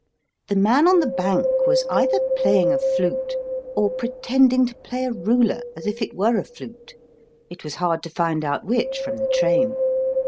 The man on the bank was either playing a flute or pretending to play a ruler, as if it were a flute ; it was hard to find out which, from the train.